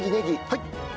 はい。